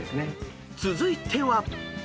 ［続いては］